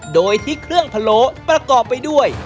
โดยที่เครื่องพะโล้ประกอบไปด้วย